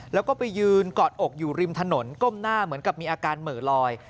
แล้วก็ไปยืนกอดอกอยู่ริมถนนก้มหน้าเหมือนกับมีอาการเหมือลอย